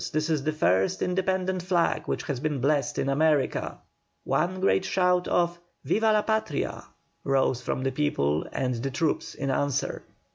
This is the first independent flag which has been blessed in America." One great shout of "Viva la Patria!" rose from the people and the troops in answer.